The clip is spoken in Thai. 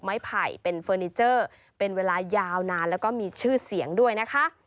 ไผ่เป็นเฟอร์นิเจอร์เป็นเวลายาวนานแล้วก็มีชื่อเสียงด้วยนะคะ